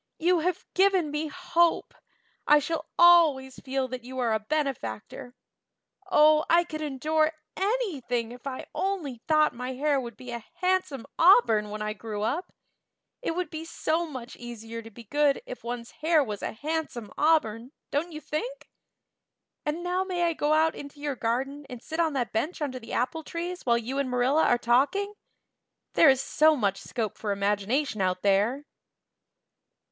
"You have given me a hope. I shall always feel that you are a benefactor. Oh, I could endure anything if I only thought my hair would be a handsome auburn when I grew up. It would be so much easier to be good if one's hair was a handsome auburn, don't you think? And now may I go out into your garden and sit on that bench under the apple trees while you and Marilla are talking? There is so much more scope for imagination out there."